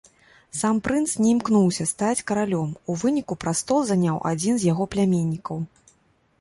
Сам прынц не імкнуўся стаць каралём, у выніку прастол заняў адзін з яго пляменнікаў.